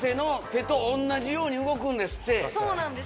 そうなんです。